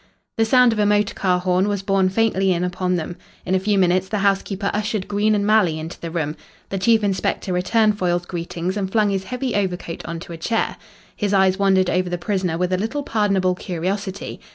The sound of a motor car horn was borne faintly in upon them. In a few minutes the housekeeper ushered Green and Malley into the room. The chief inspector returned Foyle's greetings and flung his heavy overcoat on to a chair. His eyes wandered over the prisoner with a little pardonable curiosity.